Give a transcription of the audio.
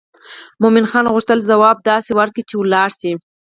مومن خان غوښتل ځواب داسې ورکړي چې ولاړ شي.